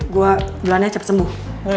gue dulannya cepet sembuh